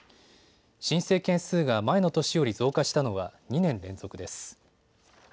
申請件数が前の年より増加したのは２年連続です。